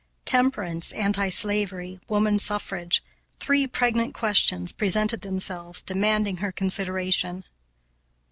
Temperance, anti slavery, woman suffrage, three pregnant questions, presented themselves, demanding her consideration.